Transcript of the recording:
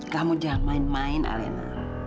kamu jangan main main alina